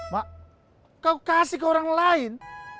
mak kau kasih ke orang lain